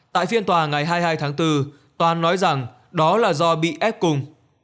tại phiên tòa ngày hai mươi hai tháng bốn tòa nói rằng đó là do bị ép cùng